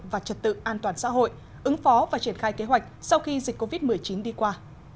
và trật tự an toàn xã hội ứng phó và triển khai kế hoạch sau khi dịch covid một mươi chín đi qua